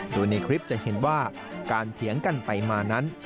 โดยในคลิปจะเห็นว่าการเถียงกันไปมานั้น